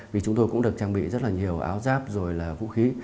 vì chúng tôi cũng được trang bị rất là nhiều áo giáp rồi là vũ khí